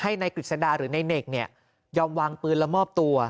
ให้ในกฤษฎาหรือในเนคยอมวางปืนและมอบตัว